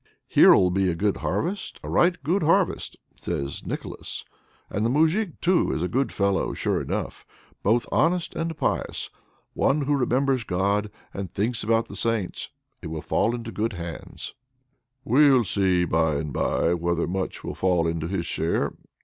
"Here'll be a good harvest, a right good harvest!" says Nicholas, "and the Moujik, too, is a good fellow sure enough, both honest and pious: one who remembers God and thinks about the Saints! It will fall into good hands " "We'll see by and by whether much will fall to his share!"